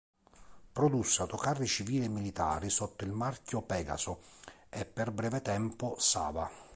Produsse autocarri civili e militari sotto il marchio Pegaso e, per breve tempo, Sava.